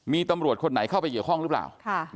มีตำรวจคนไหนเข้าไปเกี่ยวข้องหรือเปล่า